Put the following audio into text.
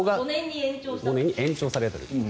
５年に延長される。